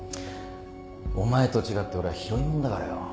お前と違って俺は拾い物だからよ。